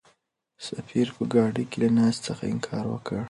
سفیر په ګاډۍ کې له ناستې څخه انکار وکړ.